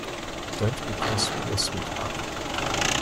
Don't be cross with your sweetheart.